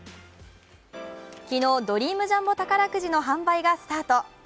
昨日、ドリームジャンボ宝くじの販売がスタート。